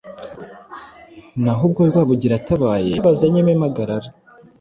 Naho ubwo Rwabugili atabaye, yari yabazanyemo impagarara